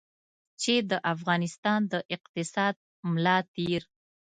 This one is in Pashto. چې د افغانستان د اقتصاد ملا تېر.